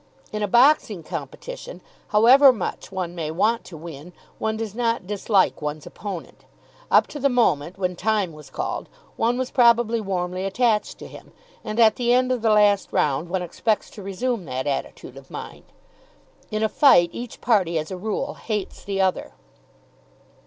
In a boxing competition, however much one may want to win, one does not dislike one's opponent. Up to the moment when "time" was called, one was probably warmly attached to him, and at the end of the last round one expects to resume that attitude of mind. In a fight each party, as a rule, hates the other.